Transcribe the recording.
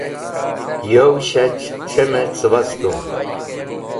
Yo shach tramẽ cẽbas tu.